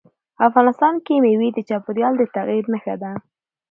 افغانستان کې مېوې د چاپېریال د تغیر نښه ده.